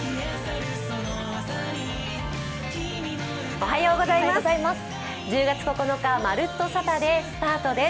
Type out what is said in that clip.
おはようございます。